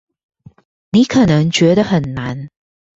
你可能覺得很難